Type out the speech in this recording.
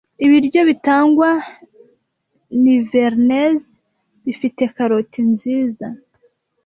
Ibiryo bitangwa nivernaise bifite karoti nziza